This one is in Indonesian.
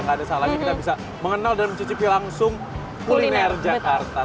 gak ada salahnya kita bisa mengenal dan mencicipi langsung kuliner jakarta